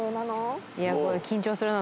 緊張するな